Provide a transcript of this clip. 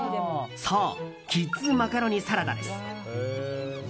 そう、キッズマカロニサラダです。